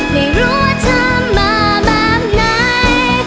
ไม่รู้ว่าเธอมาแบบไหน